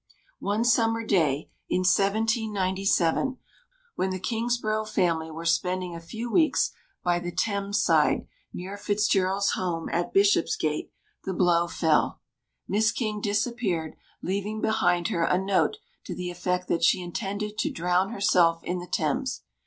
One summer day in 1797, when the Kingsborough family were spending a few weeks by the Thames side, near Fitzgerald's home at Bishopsgate, the blow fell. Miss King disappeared, leaving behind her a note to the effect that she intended to drown herself in the Thames.